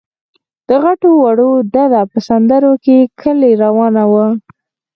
د غټو وړو ډله په سندرو له کلي روانه وه.